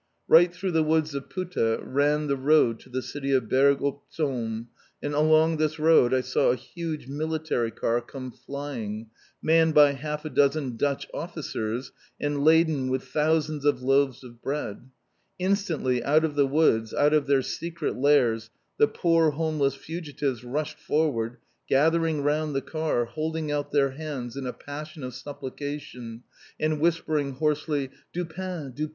Right through the woods of Putte ran the road to the city of Berg op Zoom, and along this road I saw a huge military car come flying, manned by half a dozen Dutch Officers and laden with thousands of loaves of bread. Instantly, out of the woods, out of their secret lairs, the poor homeless fugitives rushed forward, gathering round the car, holding out their hands in a passion of supplication, and whispering hoarsely, "Du pain! Du pain!"